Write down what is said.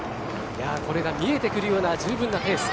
これが見えてくるような十分なペース。